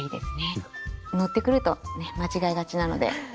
のってくるとね間違いがちなので。